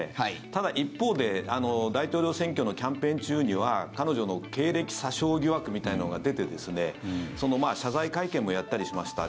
ただ一方で大統領選挙のキャンペーン中には彼女の経歴詐称疑惑みたいのが出て謝罪会見もやったりしました。